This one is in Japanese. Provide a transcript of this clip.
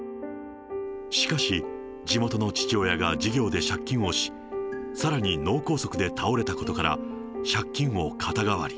しかし、地元の父親が事業で借金をし、さらに脳梗塞で倒れたことから、借金を肩代わり。